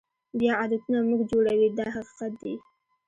بیا عادتونه موږ جوړوي دا حقیقت دی.